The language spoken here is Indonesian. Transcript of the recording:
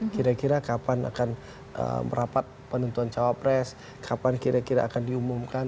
kira kira kapan akan merapat penentuan cawapres kapan kira kira akan diumumkan